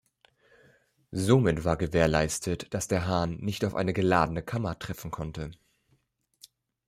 Somit war gewährleistet, dass der Hahn nicht auf eine geladene Kammer treffen konnte.